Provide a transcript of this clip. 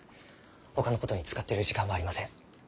ほかのことに使ってる時間はありません。